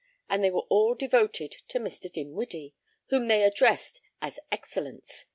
And they were all devoted to Mr. Dinwiddie, whom they addressed as Excellence, without accent.